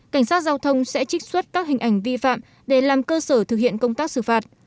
cảnh sát giao thông sẽ trích xuất các hình ảnh vi phạm để làm cơ sở thực hiện công tác xử phạt